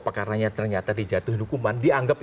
perkaranya ternyata dijatuhi hukuman dianggap